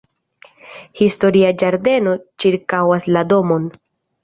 Historia ĝardeno ĉirkaŭas la domon.